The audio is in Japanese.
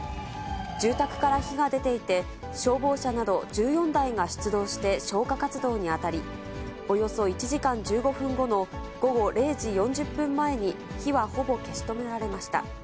住宅から火が出ていて、消防車など１４台が出動して消火活動に当たり、およそ１時間１５分後の午後０時４０分前に火はほぼ消し止められました。